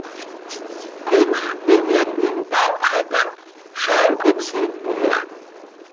coocj miimyam impaapxa ta, zaah cop siime aha.